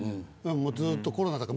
ずっとコロナだから。